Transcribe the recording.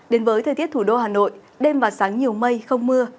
đến với thời tiết thủ đô hà nội đêm và sáng nhiều mây không mưa